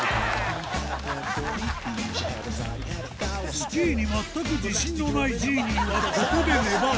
スキーに全く自信のないジーニーはここで粘る